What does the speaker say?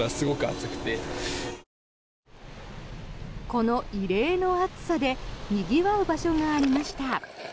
この異例の暑さでにぎわう場所がありました。